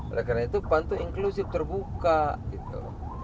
oleh karena itu pan itu inklusif terbuka gitu